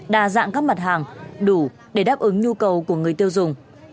đa dạng các mặt hàng đủ để đáp ứng nhu cầu của người tiêu dùng